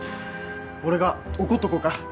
俺が怒っとこうか？